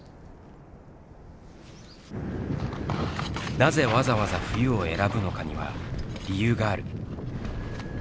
なぜわざわざ冬を選ぶのかには理由がある。